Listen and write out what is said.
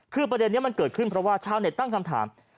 คือประเด็นนี้มันเกิดขึ้นเพราะว่าชาวเน็ตตั้งคำถาม